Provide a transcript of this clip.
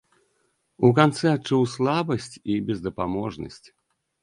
У канцы адчуў слабасць і бездапаможнасць.